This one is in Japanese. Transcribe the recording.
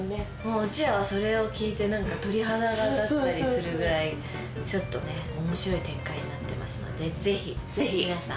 うちらはそれを聞いて鳥肌が立ったりするぐらいちょっと面白い展開になってますのでぜひ皆さん